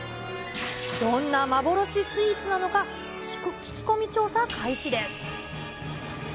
どんな幻スイーツなのか、聞き込み調査開始です。